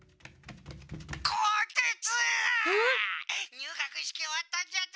入学式終わったんじゃて？